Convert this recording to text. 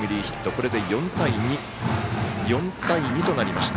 これで４対２となりました。